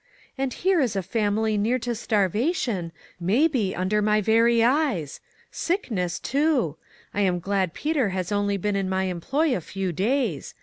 " And here is a family near to starva tion, may be under my very eyes. Sick ness too ! I am glad Peter has only been in my employ a few days.